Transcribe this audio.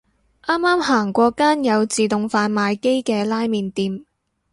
啱啱行過間有自動販賣機嘅拉麵店